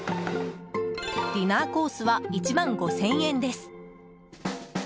ディナーコースは１万５０００円です。